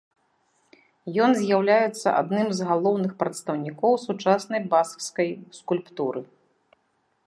Ён з'яўляецца адным з галоўных прадстаўнікоў сучаснай баскскай скульптуры.